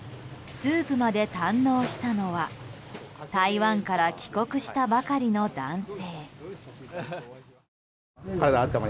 スープまで堪能したのは台湾から帰国したばかりの男性。